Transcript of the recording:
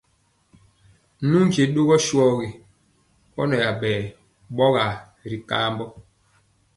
Nu nkye ɗɔgɔ sɔgi ɔ nɛ aɓɛ ɓɔyaa ri kambɔ.